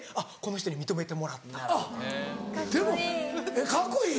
えっカッコいい？